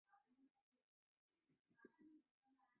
严重的灾情以及人命的伤亡